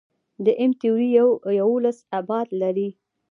د M-تیوري یوولس ابعاد لري.